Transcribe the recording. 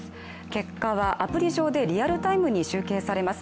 結果はアプリ上でリアルタイムに集計されます